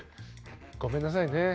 ごめんなさいね。